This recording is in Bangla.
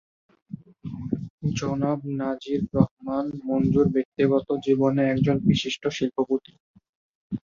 জনাব নাজির রহমান মঞ্জুর ব্যক্তিগত জীবনে একজন বিশিষ্ট শিল্পপতি।